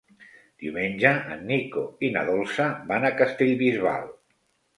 Diumenge en Nico i na Dolça van a Castellbisbal.